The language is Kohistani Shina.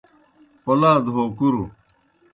پولاد ہو کُروْ